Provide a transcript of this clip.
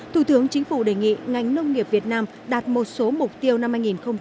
thủ tướng chính phủ đề nghị ngành nông nghiệp việt nam đạt một số mục tiêu năm hai nghìn hai mươi